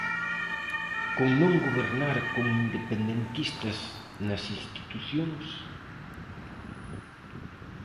Con non gobernar con independentistas nas institucións?